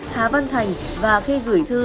hà văn thành và khê gửi thư